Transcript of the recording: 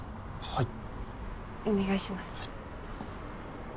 はい。